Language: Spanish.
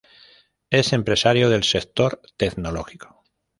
Es empresario del sector tecnológico.